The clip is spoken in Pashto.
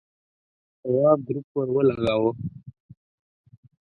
تواب گروپ ور ولگاوه.